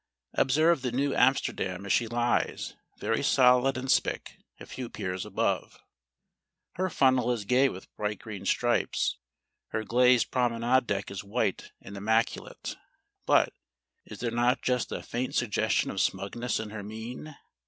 Observe the Nieuw Amsterdam as she lies, very solid and spick, a few piers above. Her funnel is gay with bright green stripes; her glazed promenade deck is white and immaculate. But, is there not just a faint suggestion of smugness in her mien?